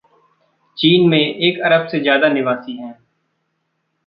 चीन में एक अरब से ज़्यादा निवासी हैं।